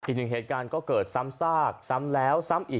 อีกหนึ่งเหตุการณ์ก็เกิดซ้ำซากซ้ำแล้วซ้ำอีก